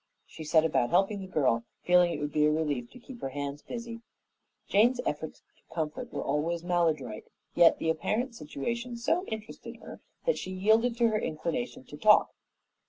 She set about helping the girl, feeling it would be a relief to keep her hands busy. Jane's efforts to comfort were always maladroit, yet the apparent situation so interested her that she yielded to her inclination to talk.